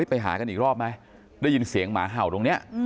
ไปหากันอีกรอบไหมได้ยินเสียงหมาเห่าตรงนี้